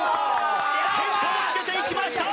変化をつけていきました！